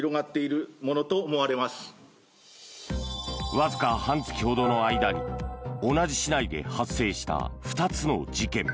わずか半月ほどの間に同じ市内で発生した２つの事件。